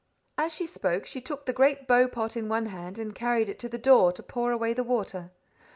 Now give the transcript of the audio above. As she spoke, she took the great bow pot in one hand and carried it to the door, to pour away the water.